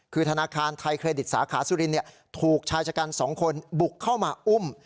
คือธนาคารไทยเครดิตสาขาสุรินถูกชายชะกัน๒คนบุกเข้ามาอุ้ม